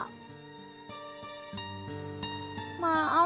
tapi gue mau ajak siapa